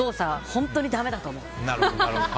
本当にだめだと思う。